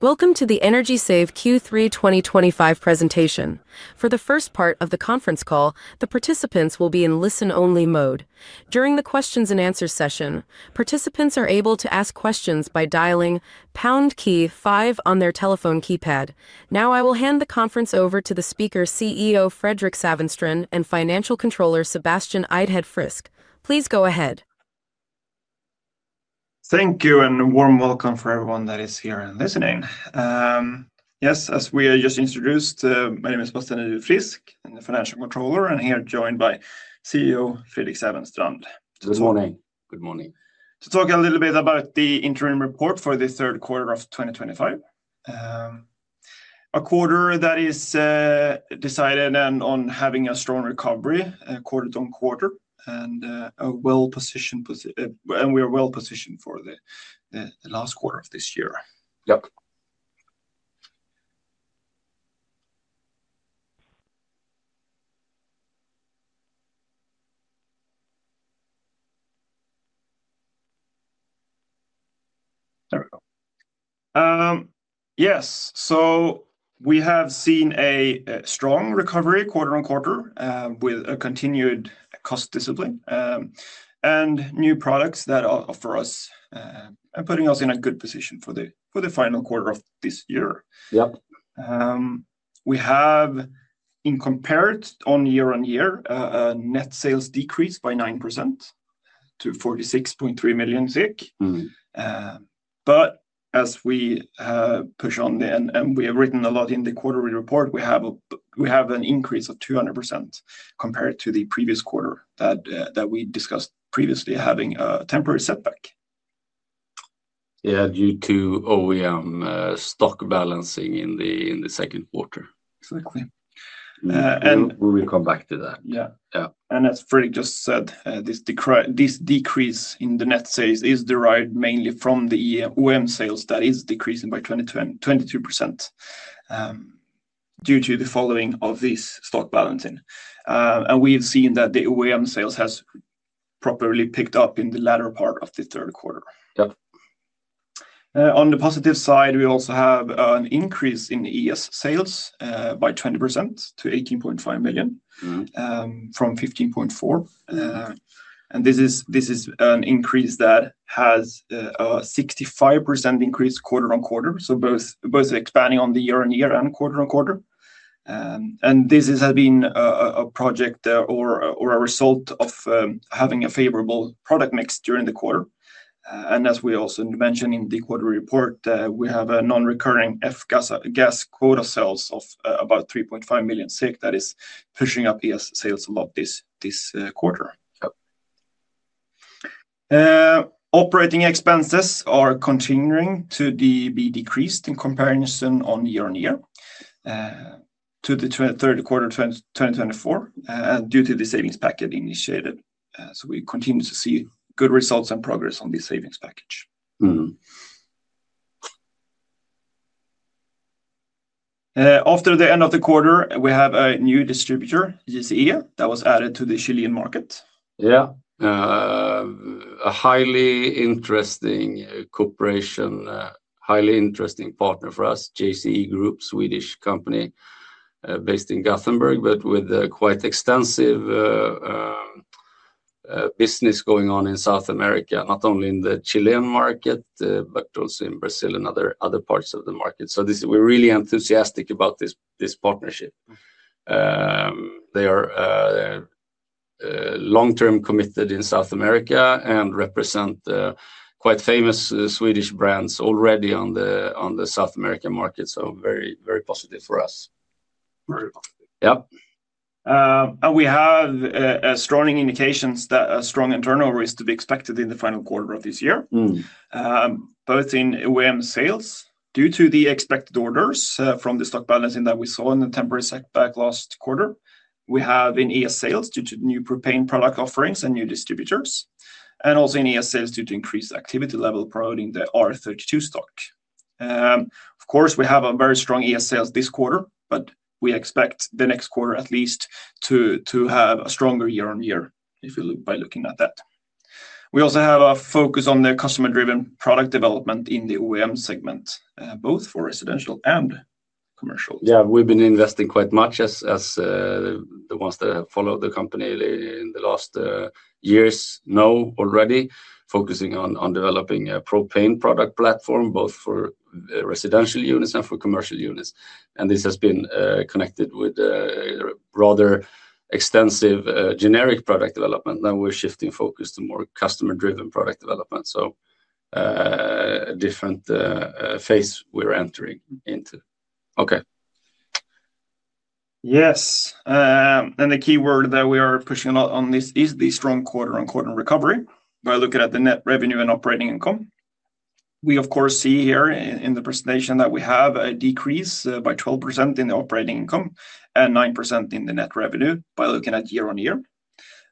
Welcome to the Energy Save Q3 2025 presentation. For the first part of the conference call, the participants will be in listen-only mode. During the Q&A session, participants are able to ask questions by dialing pound key five on their telephone keypad. Now, I will hand the conference over to the Speaker CEO Fredrik Sävenstrand and Financial Controller Sebastian Idehed Frisk. Please go ahead. Thank you, and a warm welcome for everyone that is here and listening. Yes, as we just introduced, my name is Sebastian Idehed Frisk, Financial Controller, and here joined by CEO Fredrik Sävenstrand. Good morning. Good morning. To talk a little bit about the interim report for the third quarter of 2025, a quarter that is decided on having a strong recovery quarter-to-quarter, and we are well positioned for the last quarter of this year. Yep. There we go. Yes, so we have seen a strong recovery quarter-to-quarter with continued cost discipline and new products that are for us and putting us in a good position for the final quarter of this year. Yep. We have, in compared on year on year, a net sales decrease by 9% to 46.3 million. As we push on, and we have written a lot in the quarterly report, we have an increase of 200% compared to the previous quarter that we discussed previously having a temporary setback. Yeah, due to OEM stock balancing in the second quarter. Exactly. We will come back to that. Yeah. Yeah. As Fredrik just said, this decrease in the net sales is derived mainly from the OEM sales that is decreasing by 22% due to the following of this stock balancing. We have seen that the OEM sales has properly picked up in the latter part of the third quarter. Yep. On the positive side, we also have an increase in ES sales by 20% to 18.5 million from 15.4 million. This is an increase that has a 65% increase quarter-to-quarter, so both expanding on the year on year and quarter-to-quarter. This has been a project or a result of having a favorable product mix during the quarter. As we also mentioned in the quarterly report, we have a non-recurring F-gas quota sales of about 3.5 million that is pushing up ES sales a lot this quarter. Yep. Operating expenses are continuing to be decreased in comparison on year-on-year to the third quarter 2024 due to the savings package initiated. We continue to see good results and progress on the savings package. After the end of the quarter, we have a new distributor, JCE, that was added to the Chilean market. Yeah. A highly interesting corporation, highly interesting partner for us, JCE Group, Swedish company based in Gothenburg, but with quite extensive business going on in South America, not only in the Chilean market, but also in Brazil and other parts of the market. We are really enthusiastic about this partnership. They are long-term committed in South America and represent quite famous Swedish brands already on the South American market, so very positive for us. Very positive. Yep. We have strong indications that a strong internal risk is to be expected in the final quarter of this year, both in OEM sales due to the expected orders from the stock balancing that we saw in the temporary setback last quarter. We have in ES sales due to new propane product offerings and new distributors, and also in ES sales due to increased activity level promoting the R32 stock. Of course, we have very strong ES sales this quarter, but we expect the next quarter at least to have a stronger year on year if you look by looking at that. We also have a focus on the customer-driven product development in the OEM segment, both for residential and commercial. Yeah, we've been investing quite much as the ones that have followed the company in the last years know already, focusing on developing a propane product platform both for residential units and for commercial units. This has been connected with a rather extensive generic product development, and we're shifting focus to more customer-driven product development. A different phase we're entering into. Okay. Yes. The key word that we are pushing a lot on this is the strong quarter-on-quarter recovery by looking at the net revenue and operating income. We, of course, see here in the presentation that we have a decrease by 12% in the operating income and 9% in the net revenue by looking at year-on-year.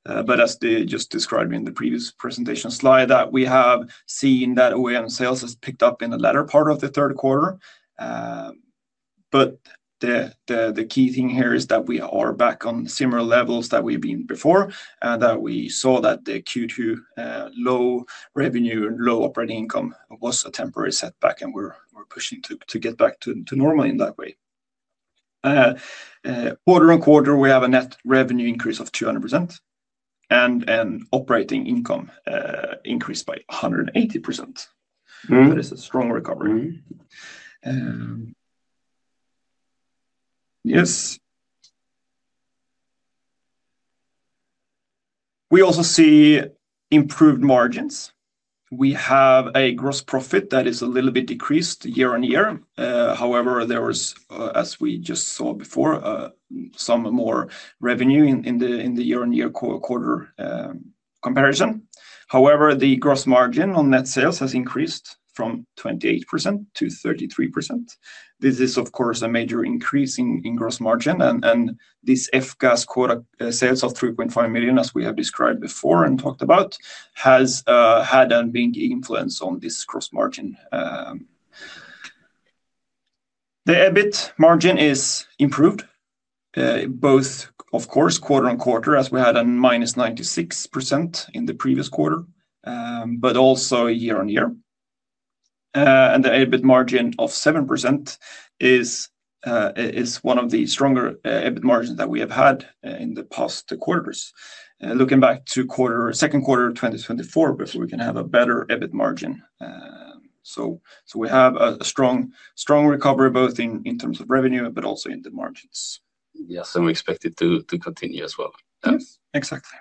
As just described in the previous presentation slide, we have seen that OEM sales has picked up in the latter part of the third quarter. The key thing here is that we are back on similar levels that we have been before and that we saw that the Q2 low revenue and low operating income was a temporary setback, and we are pushing to get back to normal in that way. Quarter to quarter, we have a net revenue increase of 200% and operating income increased by 180%. That is a strong recovery. Yes. We also see improved margins. We have a gross profit that is a little bit decreased year on year. However, there was, as we just saw before, some more revenue in the year-on-year quarter comparison. However, the gross margin on net sales has increased from 28% to 33%. This is, of course, a major increase in gross margin, and this F-gas quota sales of 3.5 million, as we have described before and talked about, has had an influence on this gross margin. The EBIT margin is improved, both, of course, quarter to quarter, as we had a minus 96% in the previous quarter, but also year on year. The EBIT margin of 7% is one of the stronger EBIT margins that we have had in the past quarters. Looking back to second quarter 2024, we can have a better EBIT margin. We have a strong recovery both in terms of revenue, but also in the margins. Yes, and we expect it to continue as well. Yes, exactly.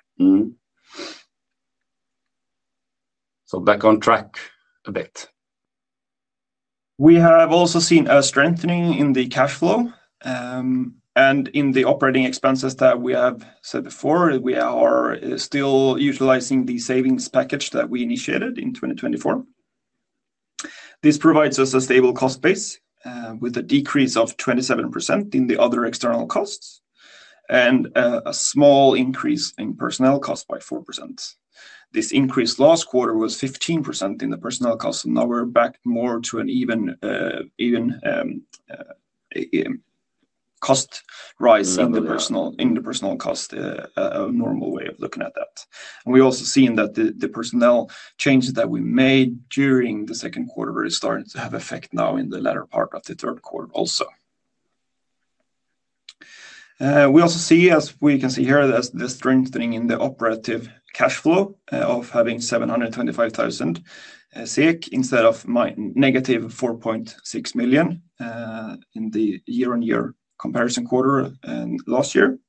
Back on track a bit. We have also seen a strengthening in the cash flow. In the operating expenses that we have said before, we are still utilizing the savings package that we initiated in 2024. This provides us a stable cost base with a decrease of 27% in the other external costs and a small increase in personnel costs by 4%. This increase last quarter was 15% in the personnel costs, and now we're back more to an even cost rise in the personnel cost, a normal way of looking at that. We also see that the personnel changes that we made during the second quarter really started to have effect now in the latter part of the third quarter also. We also see, as we can see here, the strengthening in the operative cash flow of having 725,000 instead of -4.6 million in the year-on-year comparison quarter last year.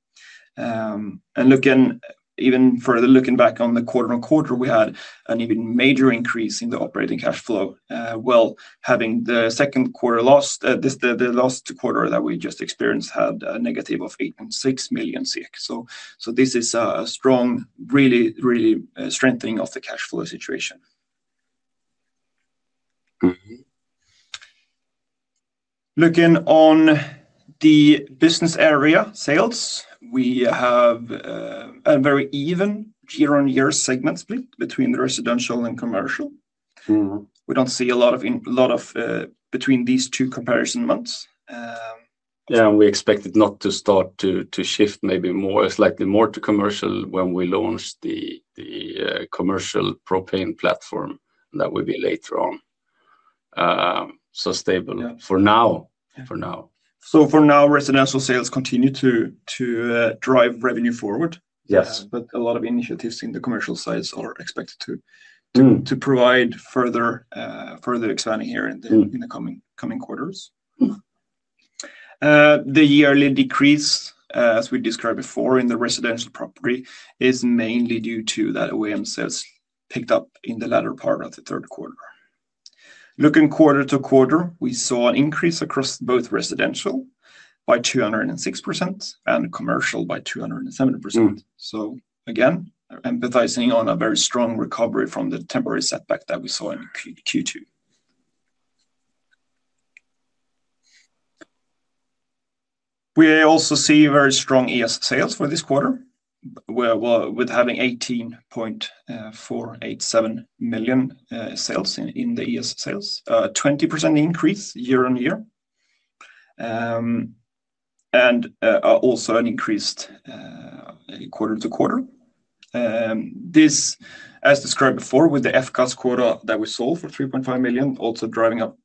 Even further looking back on the quarter-to-quarter, we had an even major increase in the operating cash flow while having the second quarter last, the last quarter that we just experienced had a negative of 8.6 million. This is a strong, really, really strengthening of the cash flow situation. Looking on the business area sales, we have a very even year-on-year segment split between the residential and commercial. We do not see a lot of between these two comparison months. Yeah, and we expected not to start to shift maybe slightly more to commercial when we launched the commercial propane platform. That will be later on. So stable for now. For now, residential sales continue to drive revenue forward. Yes. A lot of initiatives in the commercial sides are expected to provide further expanding here in the coming quarters. The yearly decrease, as we described before in the residential property, is mainly due to that OEM sales picked up in the latter part of the third quarter. Looking quarter to quarter, we saw an increase across both residential by 206% and commercial by 207%. Again, emphasizing on a very strong recovery from the temporary setback that we saw in Q2. We also see very strong ES sales for this quarter, with having 18.487 million sales in the ES sales, a 20% increase year-on-year, and also an increase quarter to quarter. This, as described before, with the F-gas quota that we sold for 3.5 million, also driving up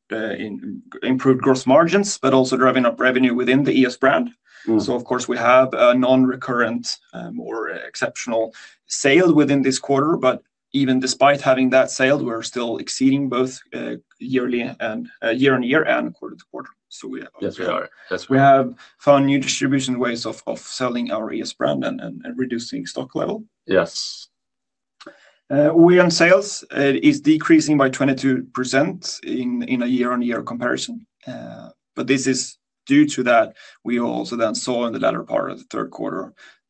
improved gross margins, but also driving up revenue within the ES brand. Of course, we have a non-recurrent or exceptional sale within this quarter, but even despite having that sale, we're still exceeding both year on year and quarter to quarter. We have found new distribution ways of selling our ES brand and reducing stock level. Yes. OEM sales is decreasing by 22% in a year-on-year comparison. This is due to that we also then saw in the latter part of the third quarter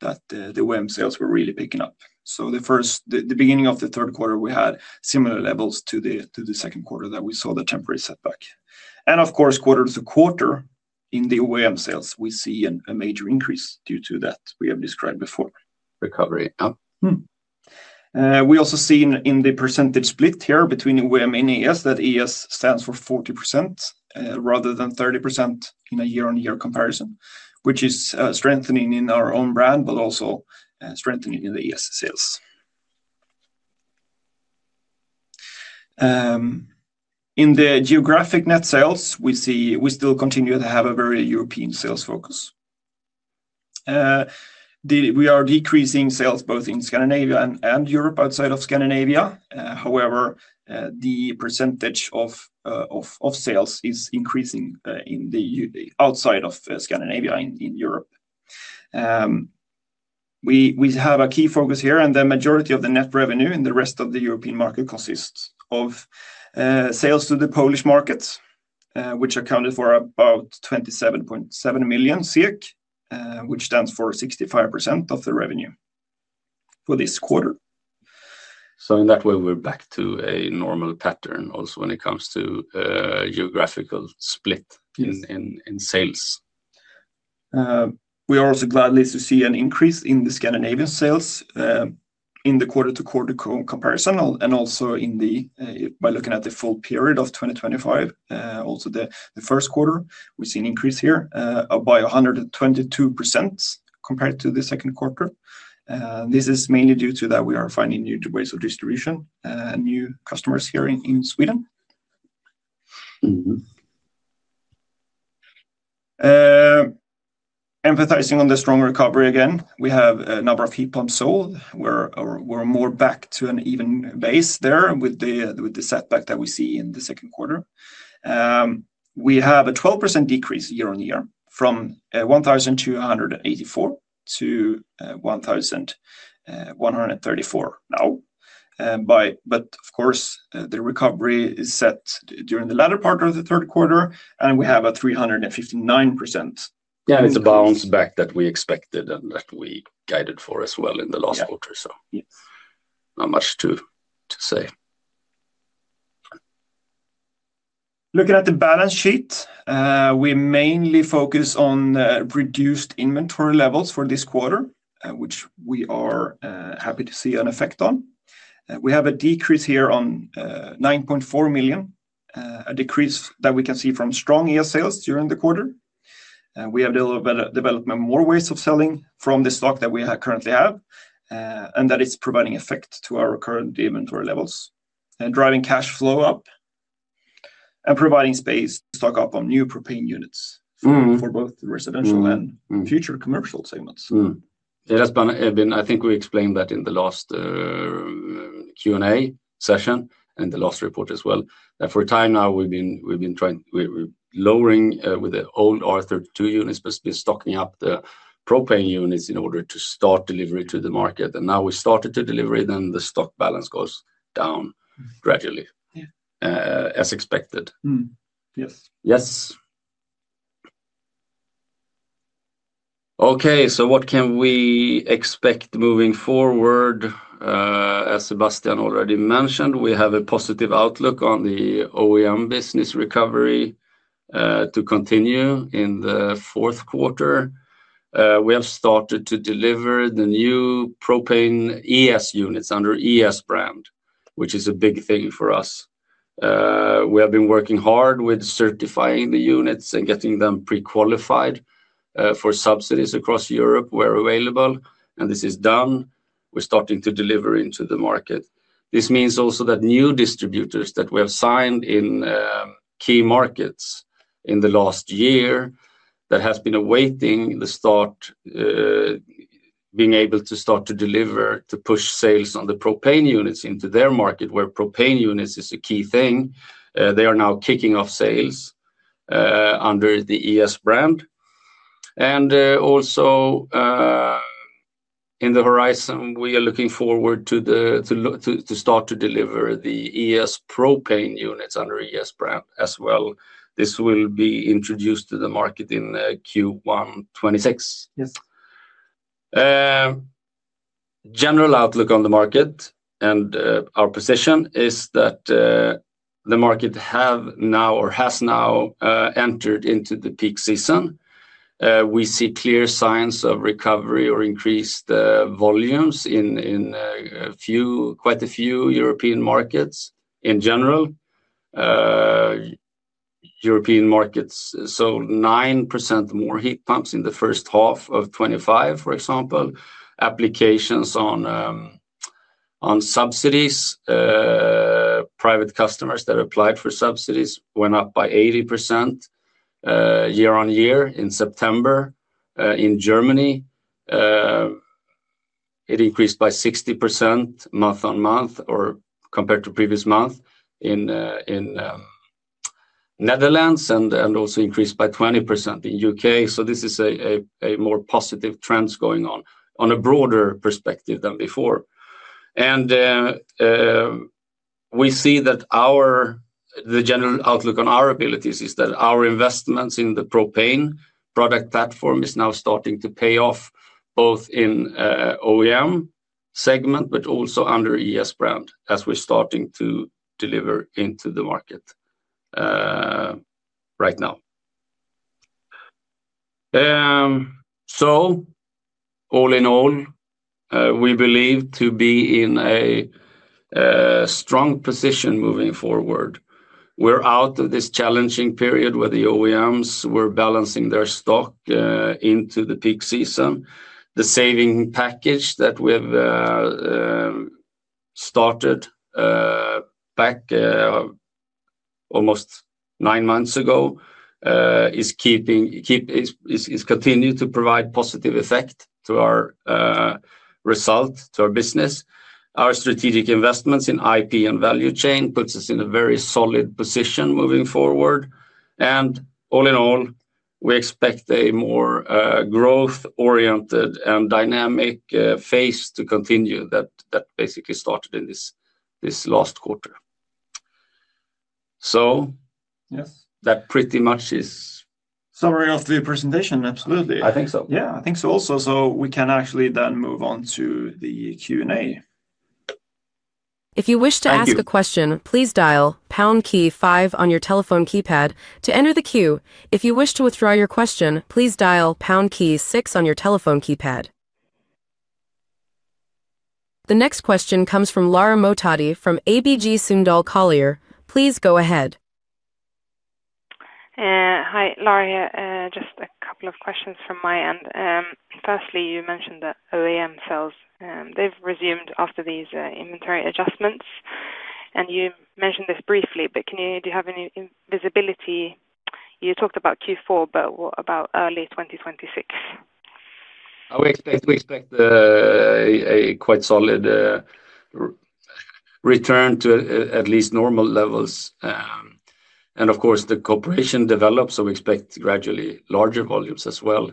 that the OEM sales were really picking up. The beginning of the third quarter, we had similar levels to the second quarter that we saw the temporary setback. Of course, quarter to quarter in the OEM sales, we see a major increase due to that we have described before. Recovery. We also see in the percentage split here between OEM and ES that ES stands for 40% rather than 30% in a year-on-year comparison, which is strengthening in our own brand, but also strengthening in the ES sales. In the geographic net sales, we still continue to have a very European sales focus. We are decreasing sales both in Scandinavia and Europe outside of Scandinavia. However, the percentage of sales is increasing outside of Scandinavia in Europe. We have a key focus here, and the majority of the net revenue in the rest of the European market consists of sales to the Polish markets, which accounted for about 27.7 million, which stands for 65% of the revenue for this quarter. In that way, we're back to a normal pattern also when it comes to geographical split in sales. We are also glad to see an increase in the Scandinavian sales in the quarter-to-quarter comparison and also by looking at the full period of 2025. Also, the first quarter, we see an increase here by 122% compared to the second quarter. This is mainly due to that we are finding new ways of distribution, new customers here in Sweden. Emphasizing on the strong recovery again, we have a number of heat pumps sold. We're more back to an even base there with the setback that we see in the second quarter. We have a 12% decrease year on year from 1,284 to 1,134 now. Of course, the recovery is set during the latter part of the third quarter, and we have a 359%. Yeah, it's a bounce back that we expected and that we guided for as well in the last quarter. Not much to say. Looking at the balance sheet, we mainly focus on reduced inventory levels for this quarter, which we are happy to see an effect on. We have a decrease here of 9.4 million, a decrease that we can see from strong ES sales during the quarter. We have developed more ways of selling from the stock that we currently have, and that is providing effect to our current inventory levels and driving cash flow up and providing space. Stock up on new propane units for both residential and future commercial segments. Yeah, that's been, I think we explained that in the last Q&A session and the last report as well. For a time now, we've been lowering with the old R32 units, but we've been stocking up the propane units in order to start delivery to the market. Now we started to deliver it, and the stock balance goes down gradually, as expected. Yes. Yes. Okay, so what can we expect moving forward? As Sebastian already mentioned, we have a positive outlook on the OEM business recovery to continue in the fourth quarter. We have started to deliver the new propane ES units under ES brand, which is a big thing for us. We have been working hard with certifying the units and getting them pre-qualified for subsidies across Europe where available. This is done. We are starting to deliver into the market. This means also that new distributors that we have signed in key markets in the last year that have been awaiting the start, being able to start to deliver to push sales on the propane units into their market, where propane units is a key thing. They are now kicking off sales under the ES brand. Also in the horizon, we are looking forward to start to deliver the ES Propane Units under ES brand as well. This will be introduced to the market in Q1 2026. General outlook on the market and our position is that the market has now entered into the peak season. We see clear signs of recovery or increased volumes in quite a few European markets in general. European markets saw 9% more heat pumps in the first half of 2025, for example. Applications on subsidies, private customers that applied for subsidies went up by 80% year-on-year in September. In Germany, it increased by 60% month on month or compared to previous month in Netherlands and also increased by 20% in the U.K. This is a more positive trend going on on a broader perspective than before. We see that the general outlook on our abilities is that our investments in the propane product platform are now starting to pay off both in the OEM segment, but also under the ES brand as we are starting to deliver into the market right now. All in all, we believe to be in a strong position moving forward. We are out of this challenging period where the OEMs were balancing their stock into the peak season. The saving package that we have started back almost nine months ago is continuing to provide positive effect to our result, to our business. Our strategic investments in IP and value chain put us in a very solid position moving forward. All in all, we expect a more growth-oriented and dynamic phase to continue that basically started in this last quarter. That pretty much is. Summary of the presentation, absolutely. I think so. Yeah, I think so also. We can actually then move on to the Q&A. If you wish to ask a question, please dial pound key five on your telephone keypad to enter the queue. If you wish to withdraw your question, please dial pound key six on your telephone keypad. The next question comes from Lara Mohtadi from ABG Sundal Collier. Please go ahead. Hi, Lara. Just a couple of questions from my end. Firstly, you mentioned that OEM sales, they've resumed after these inventory adjustments. You mentioned this briefly, but do you have any visibility? You talked about Q4, but what about early 2026? We expect a quite solid return to at least normal levels. Of course, the corporation develops, so we expect gradually larger volumes as well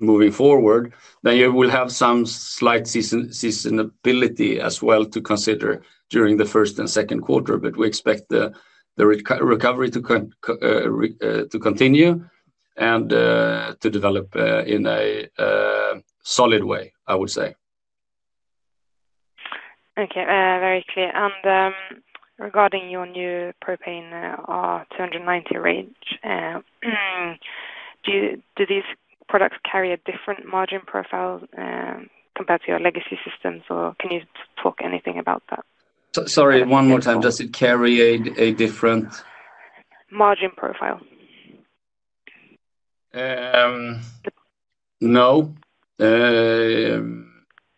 moving forward. You will have some slight seasonality as well to consider during the first and second quarter, but we expect the recovery to continue and to develop in a solid way, I would say. Okay, very clear. Regarding your new propane R290 range, do these products carry a different margin profile compared to your legacy systems? Or can you talk anything about that? Sorry, one more time. Does it carry a different? Margin profile. No,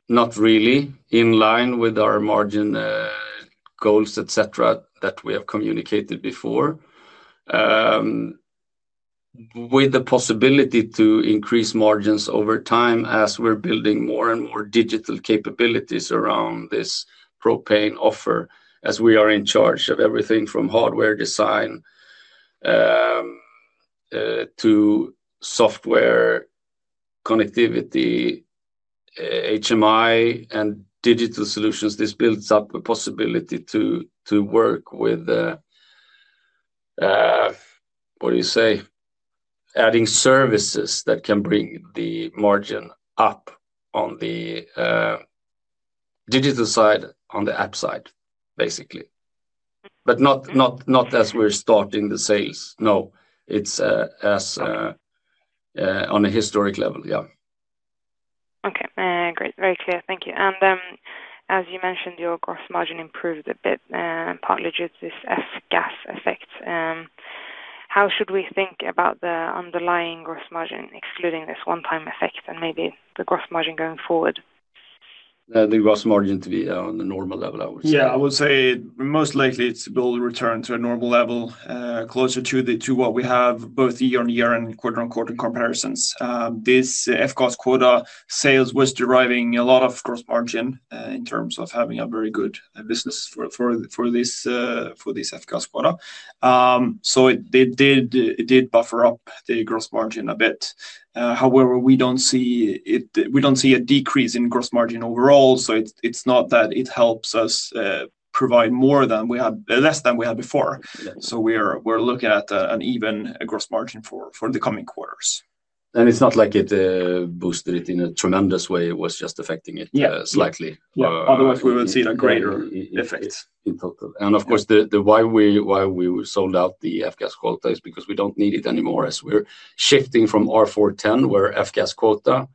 not really. In line with our margin goals, etc., that we have communicated before, with the possibility to increase margins over time as we are building more and more digital capabilities around this propane offer, as we are in charge of everything from hardware design to software connectivity, HMI, and digital solutions. This builds up a possibility to work with, what do you say, adding services that can bring the margin up on the digital side, on the app side, basically. Not as we are starting the sales. No, it is on a historic level. Yeah. Okay, great. Very clear. Thank you. As you mentioned, your gross margin improved a bit, partly due to this F-gas effect. How should we think about the underlying gross margin, excluding this one-time effect and maybe the gross margin going forward? The gross margin to be on the normal level, I would say. Yeah, I would say most likely it will return to a normal level closer to what we have both year on year and quarter on quarter comparisons. This F-gas quota sales was deriving a lot of gross margin in terms of having a very good business for this F-gas quota. It did buffer up the gross margin a bit. However, we do not see a decrease in gross margin overall. It is not that it helps us provide more than we had, less than we had before. We are looking at an even gross margin for the coming quarters. It is not like it boosted it in a tremendous way. It was just affecting it slightly. Otherwise, we would see a greater effect in total. Of course, why we sold out the F-gas quota is because we do not need it anymore as we are shifting from R410, where F-gas quota,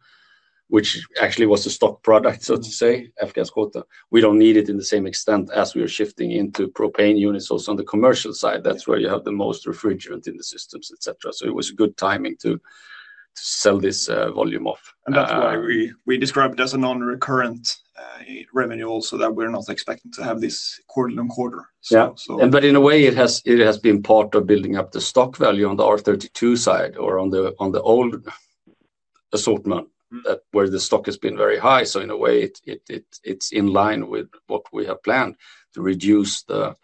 which actually was a stock product, so to say, F-gas quota, we do not need it to the same extent as we are shifting into propane units also on the commercial side. That is where you have the most refrigerant in the systems, etc. It was a good timing to sell this volume off. That is why we describe it as a non-recurring revenue also that we are not expecting to have this quarter-on-quarter. Yeah, but in a way, it has been part of building up the stock value on the R32 side or on the old assortment where the stock has been very high. In a way, it is in line with what we have planned to reduce the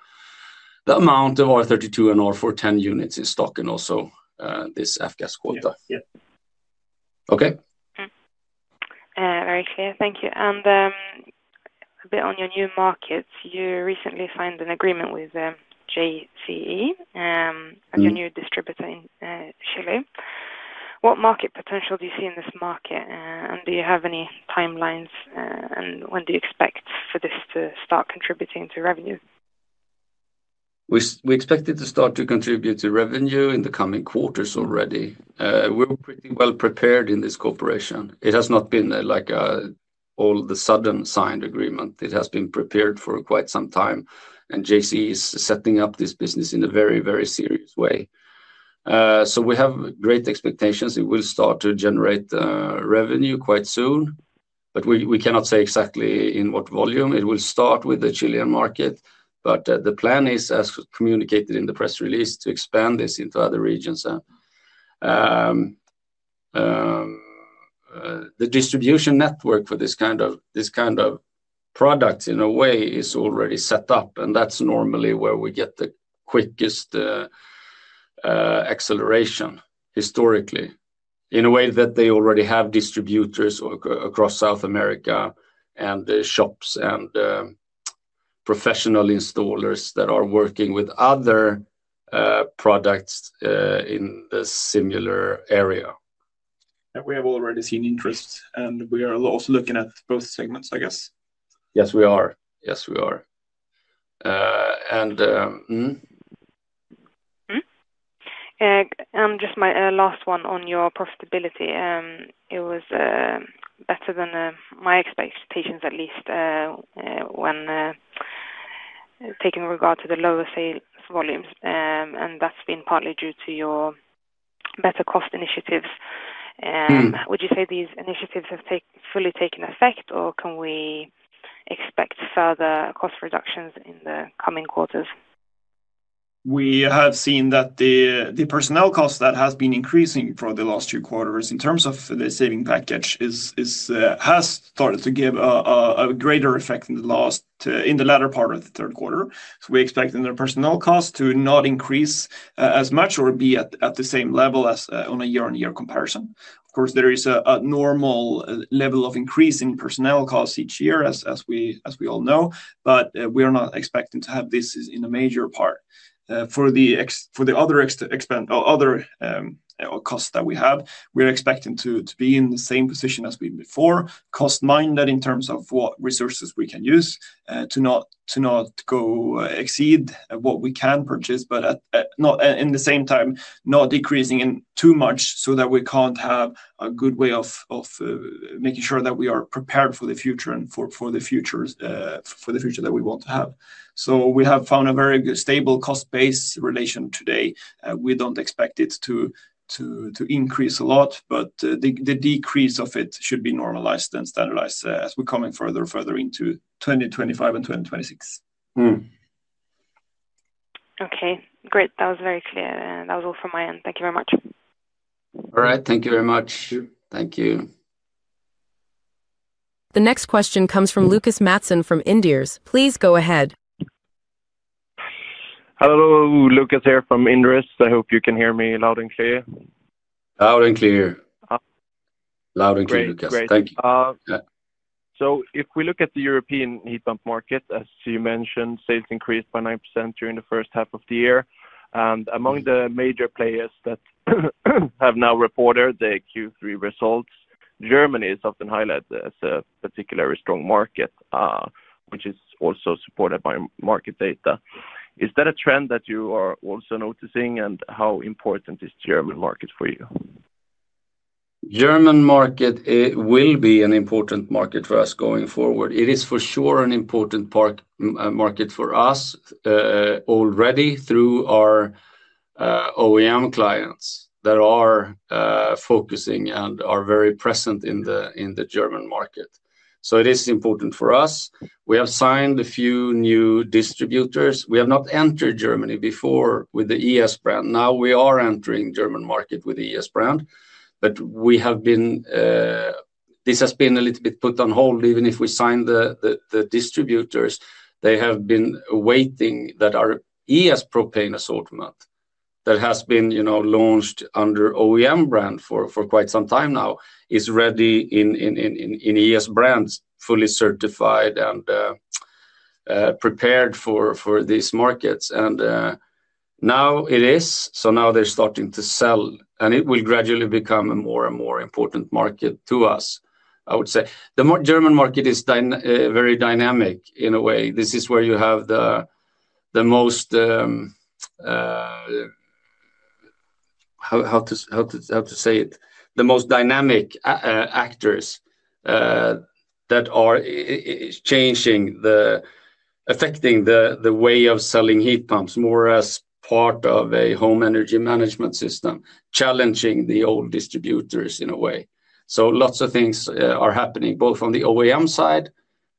amount of R32 and R410 units in stock and also this F-gas quota. Okay. Very clear. Thank you. A bit on your new markets. You recently signed an agreement with JCE and your new distributor in Chile. What market potential do you see in this market? Do you have any timelines? When do you expect for this to start contributing to revenue? We expect it to start to contribute to revenue in the coming quarters already. We're pretty well prepared in this corporation. It has not been like an all of a sudden signed agreement. It has been prepared for quite some time. JCE is setting up this business in a very, very serious way. We have great expectations. It will start to generate revenue quite soon. We cannot say exactly in what volume. It will start with the Chilean market. The plan is, as communicated in the press release, to expand this into other regions. The distribution network for this kind of product in a way is already set up. That's normally where we get the quickest acceleration historically, in a way that they already have distributors across South America and shops and professional installers that are working with other products in the similar area. We have already seen interest. We are also looking at both segments, I guess. Yes, we are. And. My last one on your profitability. It was better than my expectations, at least when taking regard to the lower sales volumes. That has been partly due to your better cost initiatives. Would you say these initiatives have fully taken effect, or can we expect further cost reductions in the coming quarters? We have seen that the personnel cost that has been increasing for the last two quarters in terms of the saving package has started to give a greater effect in the latter part of the third quarter. We expect the personnel cost to not increase as much or be at the same level as on a year-on-year comparison. Of course, there is a normal level of increase in personnel costs each year, as we all know. We are not expecting to have this in a major part. For the other costs that we have, we are expecting to be in the same position as we've before, cost-minded in terms of what resources we can use to not exceed what we can purchase, but at the same time, not decreasing too much so that we can't have a good way of making sure that we are prepared for the future and for the future that we want to have. We have found a very stable cost-based relation today. We don't expect it to increase a lot, but the decrease of it should be normalized and standardized as we're coming further and further into 2025 and 2026. Okay, great. That was very clear. That was all from my end. Thank you very much. All right. Thank you very much. Thank you. The next question comes from Lucas Mattsson from Inderes. Please go ahead. Hello, Lucas here from Inderes. I hope you can hear me loud and clear. Loud and clear. Loud and clear, Lucas. Thank you. If we look at the European heat pump market, as you mentioned, sales increased by 9% during the first half of the year. Among the major players that have now reported the Q3 results, Germany is often highlighted as a particularly strong market, which is also supported by market data. Is that a trend that you are also noticing, and how important is the German market for you? German market will be an important market for us going forward. It is for sure an important market for us already through our OEM clients that are focusing and are very present in the German market. It is important for us. We have signed a few new distributors. We have not entered Germany before with the ES brand. Now we are entering the German market with the ES brand. This has been a little bit put on hold. Even if we sign the distributors, they have been waiting that our ES propane assortment that has been launched under OEM brand for quite some time now is ready in ES brands, fully certified and prepared for these markets. Now it is. Now they are starting to sell. It will gradually become a more and more important market to us, I would say. The German market is very dynamic in a way. This is where you have the most, how to say it, the most dynamic actors that are affecting the way of selling heat pumps more as part of a home energy management system, challenging the old distributors in a way. Lots of things are happening both on the OEM side,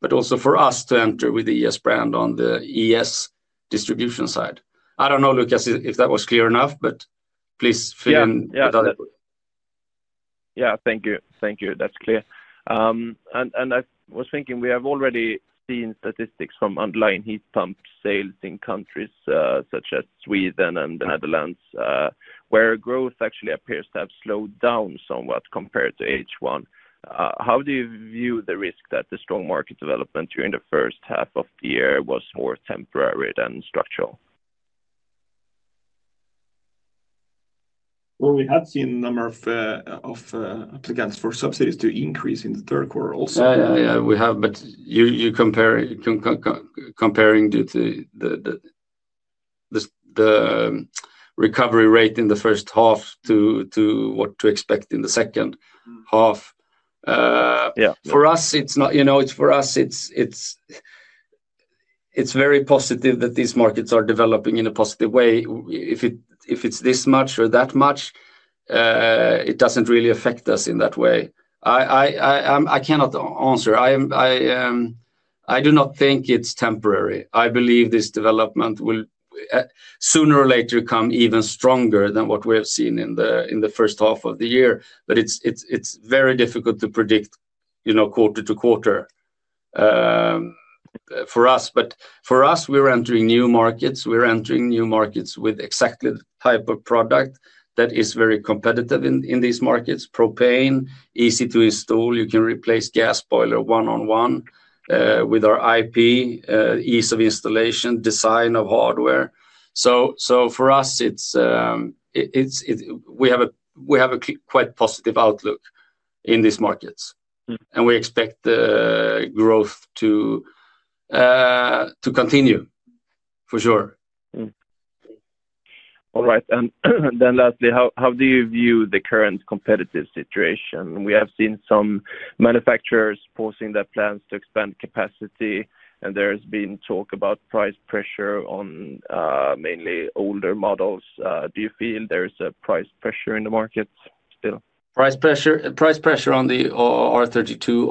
but also for us to enter with the ES brand on the ES distribution side. I don't know, Lucas, if that was clear enough, but please fill in with other questions. Yeah, thank you. Thank you. That's clear. I was thinking we have already seen statistics from underlying heat pump sales in countries such as Sweden and the Netherlands where growth actually appears to have slowed down somewhat compared to H1. How do you view the risk that the strong market development during the first half of the year was more temporary than structural? We have seen a number of applicants for subsidies to increase in the third quarter also. Yeah, yeah, yeah. We have, but you're comparing the recovery rate in the first half to what to expect in the second half. For us, it's not for us. It's very positive that these markets are developing in a positive way. If it's this much or that much, it doesn't really affect us in that way. I cannot answer. I do not think it's temporary. I believe this development will sooner or later come even stronger than what we have seen in the first half of the year. It's very difficult to predict quarter to quarter for us. For us, we're entering new markets. We're entering new markets with exactly the type of product that is very competitive in these markets: propane, easy to install. You can replace gas boiler one-on-one with our IP, ease of installation, design of hardware. We have a quite positive outlook in these markets. And we expect growth to continue for sure. All right. Lastly, how do you view the current competitive situation? We have seen some manufacturers pausing their plans to expand capacity. There has been talk about price pressure on mainly older models. Do you feel there is a price pressure in the market still? Price pressure on the R32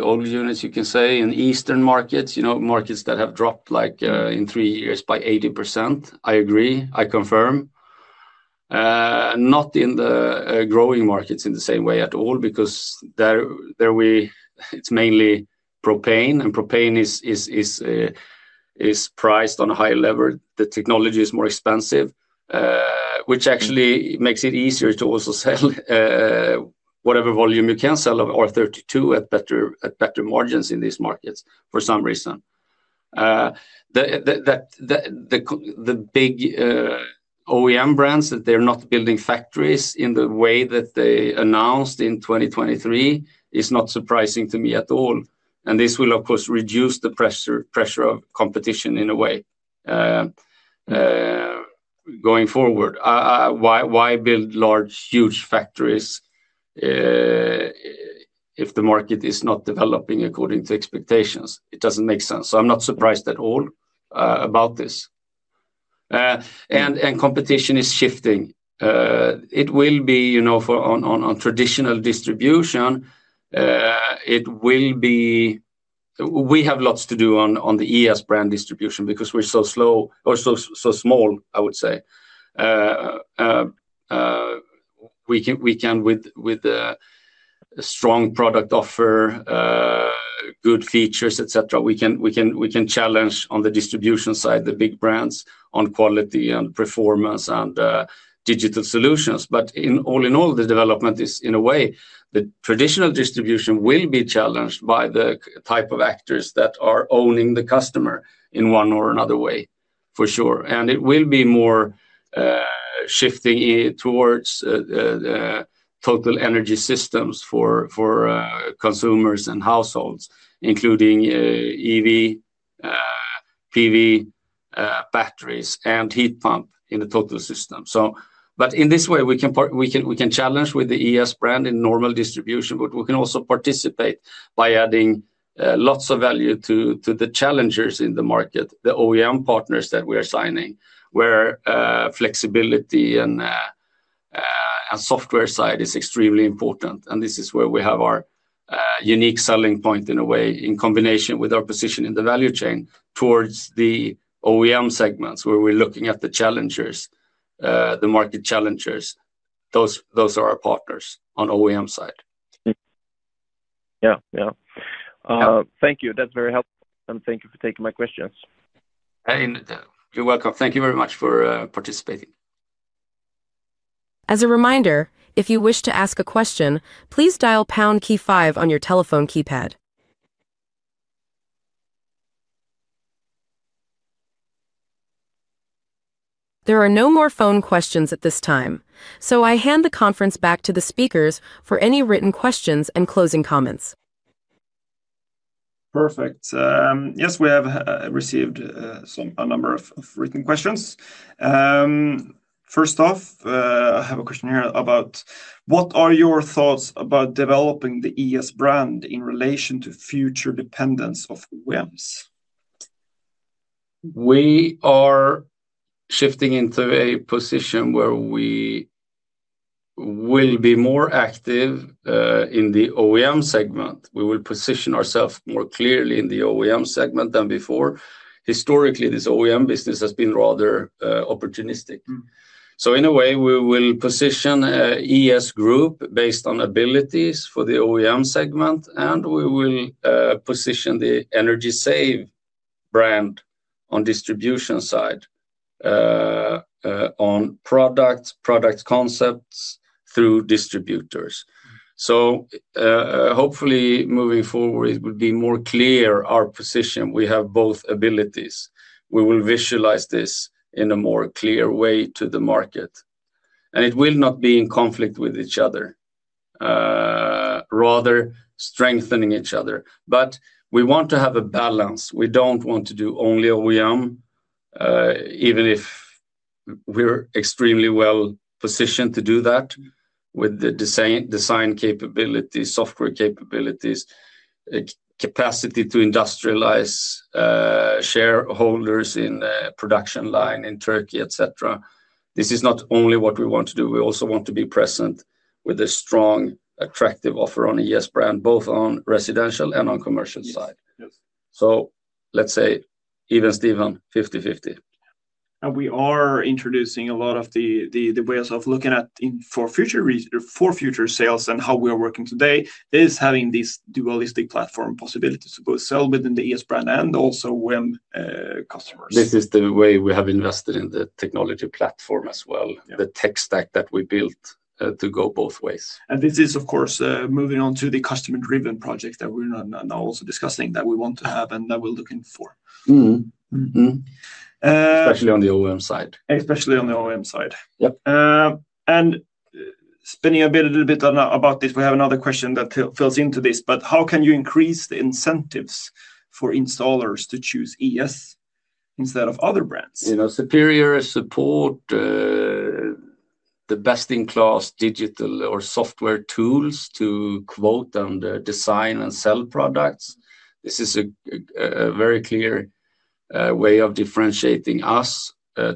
old units, you can say, in Eastern markets, markets that have dropped in three years by 80%. I agree. I confirm. Not in the growing markets in the same way at all because it is mainly propane. And propane is priced on a higher level. The technology is more expensive, which actually makes it easier to also sell whatever volume you can sell of R32 at better margins in these markets for some reason. The big OEM brands, that they are not building factories in the way that they announced in 2023, is not surprising to me at all. This will, of course, reduce the pressure of competition in a way going forward. Why build large, huge factories if the market is not developing according to expectations? It does not make sense. I am not surprised at all about this. Competition is shifting. It will be on traditional distribution. It will be we have lots to do on the ES brand distribution because we're so slow or so small, I would say. We can, with a strong product offer, good features, etc., we can challenge on the distribution side, the big brands on quality and performance and digital solutions. All in all, the development is, in a way, the traditional distribution will be challenged by the type of actors that are owning the customer in one or another way, for sure. It will be more shifting towards total energy systems for consumers and households, including EV, PV batteries, and heat pump in the total system. In this way, we can challenge with the ES brand in normal distribution, but we can also participate by adding lots of value to the challengers in the market, the OEM partners that we are signing, where flexibility and software side is extremely important. This is where we have our unique selling point in a way, in combination with our position in the value chain towards the OEM segments where we're looking at the challengers, the market challengers. Those are our partners on OEM side. Yeah, yeah. Thank you. That's very helpful. Thank you for taking my questions. You're welcome. Thank you very much for participating. As a reminder, if you wish to ask a question, please dial pound key five on your telephone keypad. There are no more phone questions at this time. I hand the conference back to the speakers for any written questions and closing comments. Perfect. Yes, we have received a number of written questions. First off, I have a question here about what are your thoughts about developing the ES brand in relation to future dependence of OEMs? We are shifting into a position where we will be more active in the OEM segment. We will position ourselves more clearly in the OEM segment than before. Historically, this OEM business has been rather opportunistic. In a way, we will position ES Group based on abilities for the OEM segment. We will position the Energy Save brand on distribution side on products, product concepts through distributors. Hopefully, moving forward, it will be more clear our position. We have both abilities. We will visualize this in a more clear way to the market. It will not be in conflict with each other, rather strengthening each other. We want to have a balance. We do not want to do only OEM, even if we are extremely well positioned to do that with the design capabilities, software capabilities, capacity to industrialize, shareholders in production line in Turkey, etc. This is not only what we want to do. We also want to be present with a strong, attractive offer on ES brand, both on residential and on commercial side. So let's say, even-steven, 50/50. We are introducing a lot of the ways of looking at for future sales and how we are working today is having this dualistic platform possibility to both sell within the ES brand and also OEM customers. This is the way we have invested in the technology platform as well, the tech stack that we built to go both ways. This is, of course, moving on to the customer-driven projects that we're now also discussing that we want to have and that we're looking for. Especially on the OEM side. Especially on the OEM side. Yep. Spinning a bit about this, we have another question that fills into this. How can you increase the incentives for installers to choose ES instead of other brands? Superior support, the best-in-class digital or software tools to quote and design and sell products. This is a very clear way of differentiating us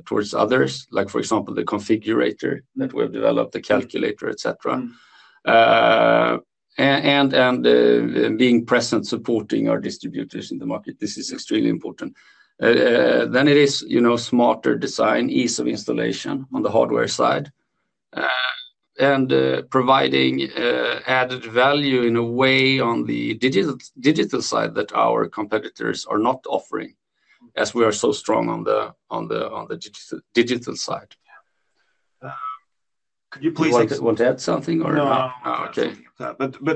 towards others, like for example, the configurator that we have developed, the calculator, etc. Being present, supporting our distributors in the market. This is extremely important. It is smarter design, ease of installation on the hardware side, and providing added value in a way on the digital side that our competitors are not offering as we are so strong on the digital side. Could you please? Want to add something or no? No, no. Okay.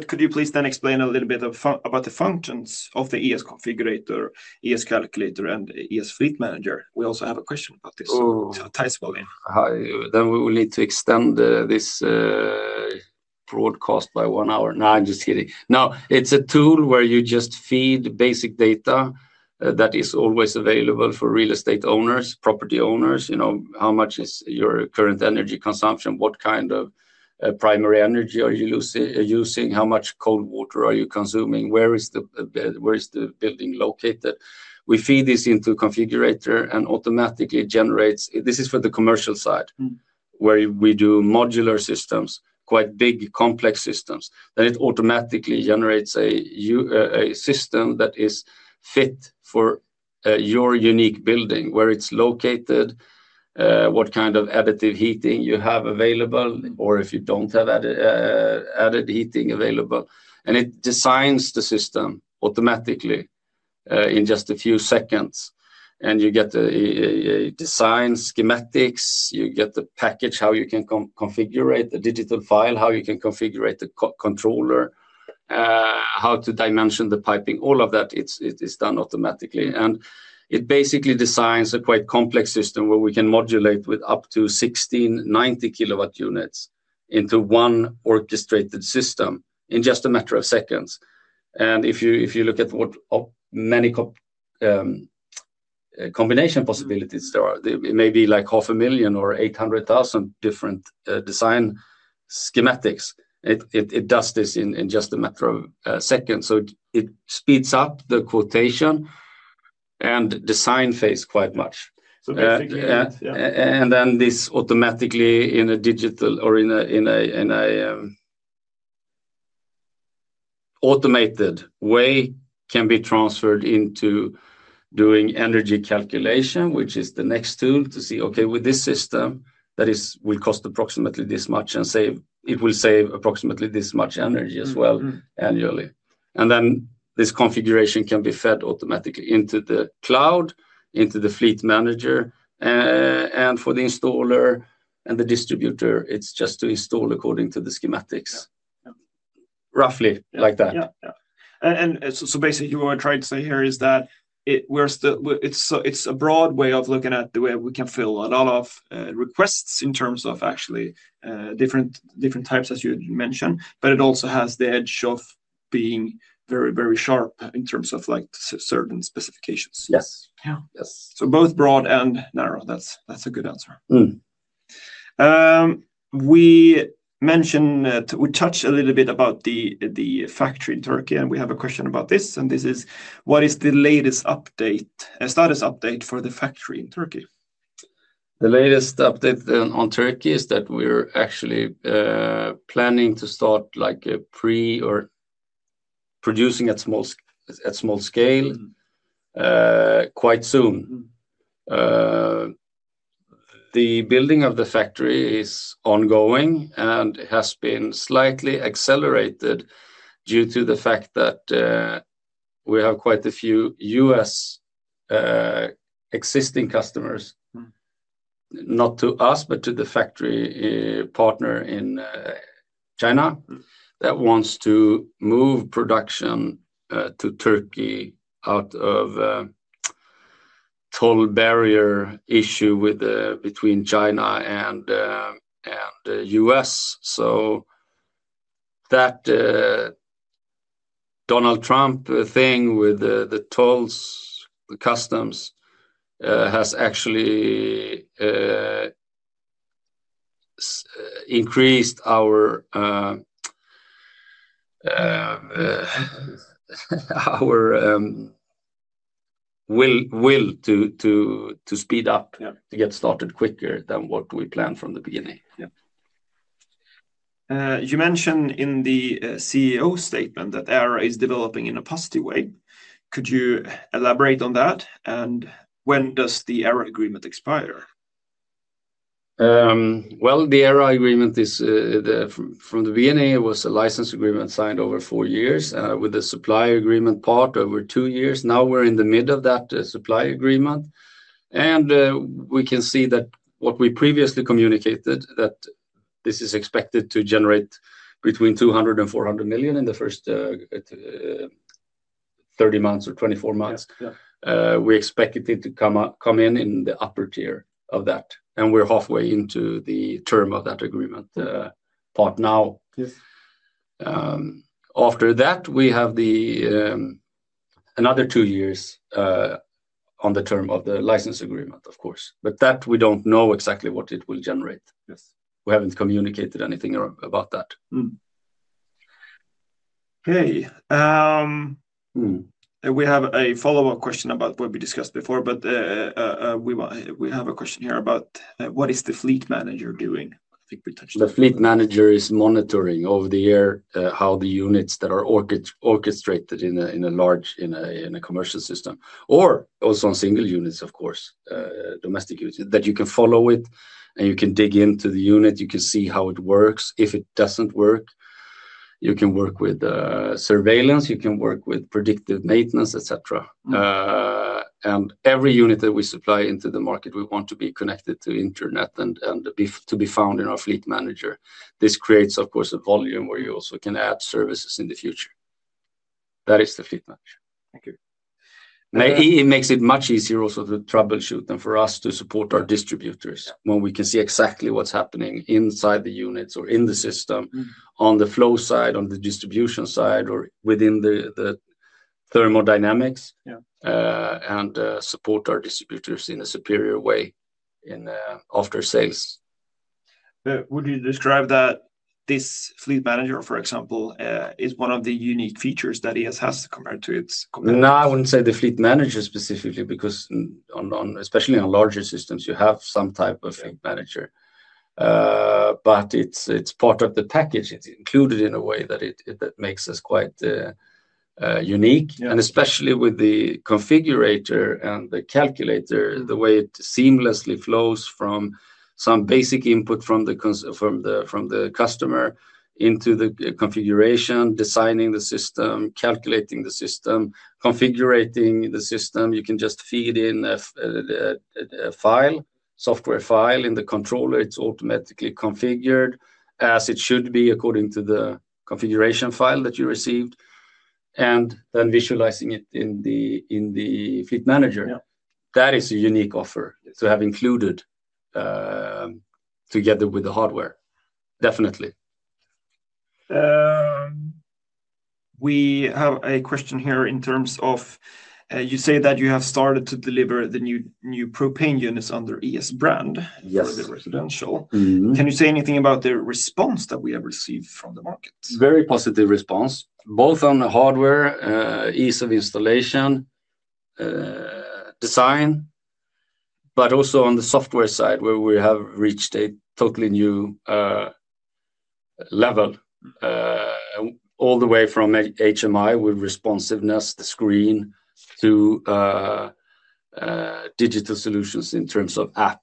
Could you please then explain a little bit about the functions of the ES Configurator, ES Calculator, and ES Fleet Manager? We also have a question about this. We will need to extend this broadcast by one hour. No, I'm just kidding. No, it's a tool where you just feed basic data that is always available for real estate owners, property owners. How much is your current energy consumption? What kind of primary energy are you using? How much cold water are you consuming? Where is the building located? We feed this into the configurator and it automatically generates. This is for the commercial side where we do modular systems, quite big, complex systems. It automatically generates a system that is fit for your unique building, where it's located, what kind of additive heating you have available, or if you do not have additive heating available. It designs the system automatically in just a few seconds. You get the design schematics. You get the package, how you can configurate the digital file, how you can configurate the controller, how to dimension the piping. All of that is done automatically. It basically designs a quite complex system where we can modulate with up to 16 kW, 90 kW units into one orchestrated system in just a matter of seconds. If you look at what many combination possibilities there are, it may be like 500,000 or 800,000 different design schematics. It does this in just a matter of seconds. It speeds up the quotation and design phase quite much. This automatically in a digital or in an automated way can be transferred into doing energy calculation, which is the next tool to see, okay, with this system that will cost approximately this much and it will save approximately this much energy as well annually. This configuration can be fed automatically into the cloud, into the ES Fleet Manager. For the installer and the distributor, it's just to install according to the schematics, roughly like that. Yeah. Basically, what I'm trying to say here is that it's a broad way of looking at the way we can fill a lot of requests in terms of actually different types, as you mentioned. It also has the edge of being very, very sharp in terms of certain specifications. Yes. Yeah. Both broad and narrow. That's a good answer. We touched a little bit about the factory in Turkey. We have a question about this. What is the latest status update for the factory in Turkey? The latest update on Turkey is that we're actually planning to start pre or producing at small scale quite soon. The building of the factory is ongoing and has been slightly accelerated due to the fact that we have quite a few U.S. existing customers, not to us, but to the factory partner in China that wants to move production to Turkey out of a toll barrier issue between China and U.S. That Donald Trump thing with the tolls, the customs, has actually increased our will to speed up, to get started quicker than what we planned from the beginning. You mentioned in the CEO statement that ERA is developing in a positive way. Could you elaborate on that? When does the ERA agreement expire? The ERA agreement, from the beginning, it was a license agreement signed over four years with the supply agreement part over two years. Now we're in the middle of that supply agreement. We can see that what we previously communicated, that this is expected to generate between 200 million and 400 million in the first 30 months or 24 months. We expect it to come in in the upper tier of that. We're halfway into the term of that agreement part now. After that, we have another two years on the term of the license agreement, of course. That, we do not know exactly what it will generate. We have not communicated anything about that. Okay. We have a follow-up question about what we discussed before. We have a question here about what is the Fleet Manager doing? I think we touched on that. The fleet manager is monitoring over the year how the units that are orchestrated in a large commercial system or also on single units, of course, domestic units that you can follow it. You can dig into the unit. You can see how it works. If it does not work, you can work with surveillance. You can work with predictive maintenance, etc. Every unit that we supply into the market, we want to be connected to internet and to be found in our fleet manager. This creates, of course, a volume where you also can add services in the future. That is the fleet manager. Thank you. It makes it much easier also to troubleshoot and for us to support our distributors when we can see exactly what's happening inside the units or in the system on the flow side, on the distribution side, or within the thermodynamics and support our distributors in a superior way after sales. Would you describe that this Fleet Manager, for example, is one of the unique features that ES has compared to its competitors? No, I wouldn't say the fleet manager specifically because especially on larger systems, you have some type of fleet manager. It is part of the package. It is included in a way that makes us quite unique. Especially with the configurator and the calculator, the way it seamlessly flows from some basic input from the customer into the configuration, designing the system, calculating the system, configurating the system. You can just feed in a software file in the controller. It is automatically configured as it should be according to the configuration file that you received and then visualizing it in the fleet manager. That is a unique offer to have included together with the hardware. Definitely. We have a question here in terms of you say that you have started to deliver the new propane units under ES brand for the residential. Can you say anything about the response that we have received from the market? Very positive response, both on the hardware, ease of installation, design, but also on the software side where we have reached a totally new level all the way from HMI with responsiveness, the screen to digital solutions in terms of app.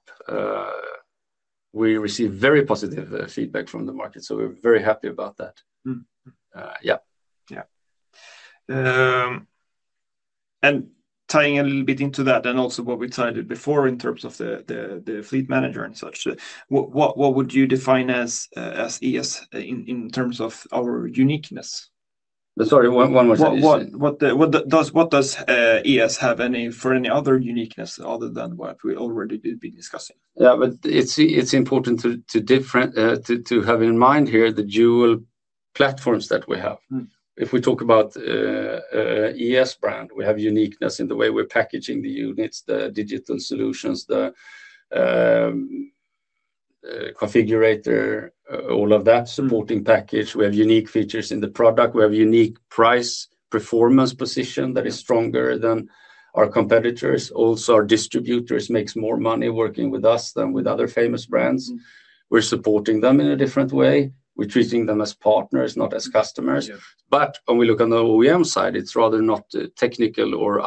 We received very positive feedback from the market. We are very happy about that. Yeah. Yeah. Tying a little bit into that and also what we cited before in terms of the ES Fleet Manager and such, what would you define as ES in terms of our uniqueness? Sorry, one more time. What does ES have for any other uniqueness other than what we already have been discussing? Yeah, but it's important to have in mind here the dual platforms that we have. If we talk about ES brand, we have uniqueness in the way we're packaging the units, the digital solutions, the configurator, all of that supporting package. We have unique features in the product. We have unique price performance position that is stronger than our competitors. Also, our distributors make more money working with us than with other famous brands. We're supporting them in a different way. We're treating them as partners, not as customers. When we look on the OEM side, it's rather not technical or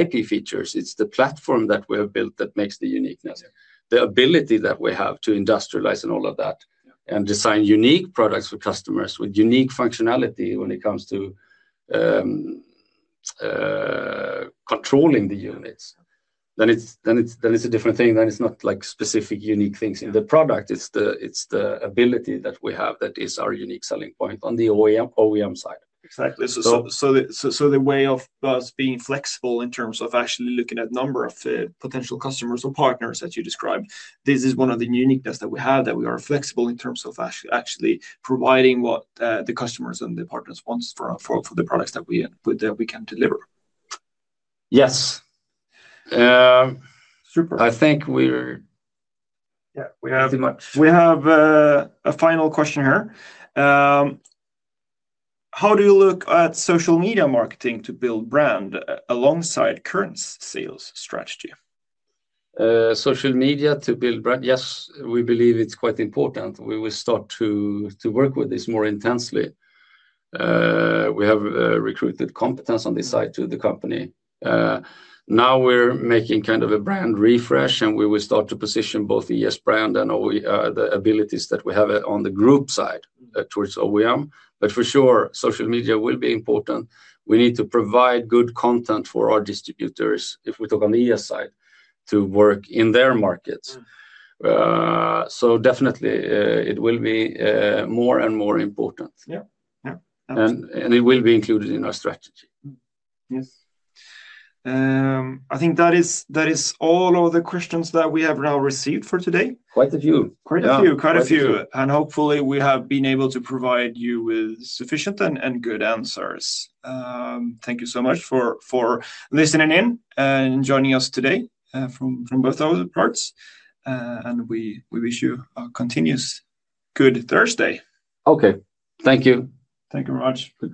IP features. It's the platform that we have built that makes the uniqueness, the ability that we have to industrialize and all of that and design unique products for customers with unique functionality when it comes to controlling the units. Then it's a different thing. It is not specific unique things in the product. It is the ability that we have that is our unique selling point on the OEM side. Exactly. The way of us being flexible in terms of actually looking at a number of potential customers or partners that you describe, this is one of the uniqueness that we have, that we are flexible in terms of actually providing what the customers and the partners want for the products that we can deliver. Yes. Super. I think we're pretty much. Yeah. We have a final question here. How do you look at social media marketing to build brand alongside current sales strategy? Social media to build brand, yes, we believe it's quite important. We will start to work with this more intensely. We have recruited competence on this side to the company. Now we're making kind of a brand refresh, and we will start to position both the ES brand and the abilities that we have on the group side towards OEM. For sure, social media will be important. We need to provide good content for our distributors if we talk on the ES side to work in their markets. Definitely, it will be more and more important. It will be included in our strategy. Yes. I think that is all of the questions that we have now received for today. Quite a few. Quite a few. Quite a few. Hopefully, we have been able to provide you with sufficient and good answers. Thank you so much for listening in and joining us today from both of our parts. We wish you a continuous good Thursday. Okay. Thank you. Thank you very much.